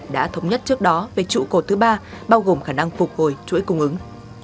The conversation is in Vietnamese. đã thống nhất trước đó về trụ cột thứ ba bao gồm khả năng phục hồi chuỗi cung ứng